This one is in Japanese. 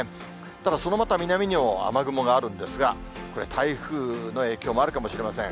ただ、そのまた南にも雨雲があるんですが、これ、台風の影響もあるかもしれません。